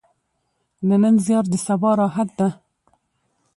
د نن زیار د سبا راحت ده.